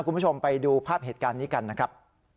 คุณผู้ชมไปดูภาพเหตุการณ์นี้กันนะครับ